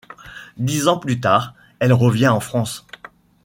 Dix ans plus tard, elle revient en France.